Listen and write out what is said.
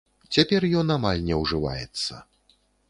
Цяпер ён амаль не ўжываецца.